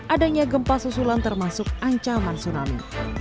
adanya gempa susulan termasuk ancaman tsunami